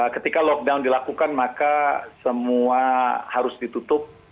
ketika lockdown dilakukan maka semua harus ditutup